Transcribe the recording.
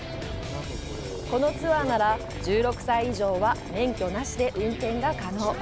このツアーなら、１６歳以上は免許なしで運転が可能。